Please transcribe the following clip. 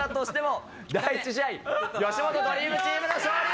第１試合吉本ドリームチームの勝利！